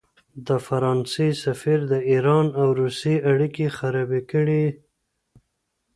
د فرانسې سفیر د ایران او روسیې اړیکې خرابې کړې.